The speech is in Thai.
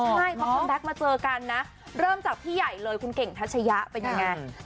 ใช่เพราะคุณแบ็คมาเจอกันนะเริ่มจากพี่ใหญ่เลยคุณเก่งทัชยะเป็นยังไง